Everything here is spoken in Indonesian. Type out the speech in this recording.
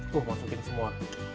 tuh masukin semua